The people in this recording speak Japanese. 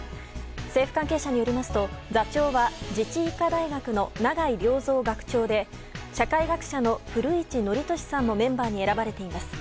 政府関係者によりますと座長は自治医科大学の永井良三学長で社会学者の古市憲寿さんもメンバーに選ばれています。